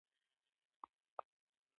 امریکایانو له جاپان څخه امتیازات وغوښتل.